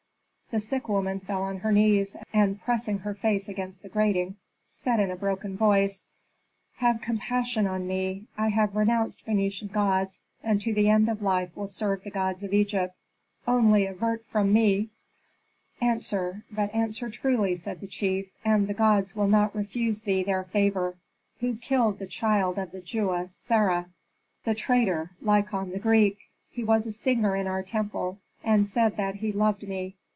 The sick woman fell on her knees, and pressing her face against the grating, said in a broken voice, "Have compassion on me! I have renounced Phœnician gods, and to the end of life will serve the gods of Egypt. Only avert from me " "Answer, but answer truly," said the chief, "and the gods will not refuse thee their favor. Who killed the child of the Jewess Sarah?" "The traitor, Lykon, the Greek. He was a singer in our temple, and said that he loved me.